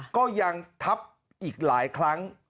ก็ยังทับอีกหลายครั้ง